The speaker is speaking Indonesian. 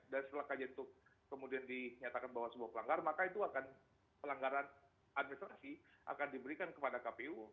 dan setelah kajian itu kemudian dinyatakan bahwa sebuah pelanggar maka itu akan pelanggaran administrasi akan diberikan kepada kpu